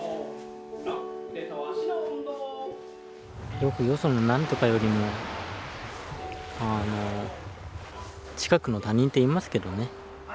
よくよその何とかよりもあの近くの他人って言いますけどね